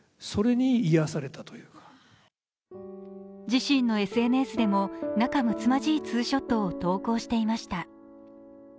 自身のＳＮＳでも仲むつまじいツーショットを投稿していました。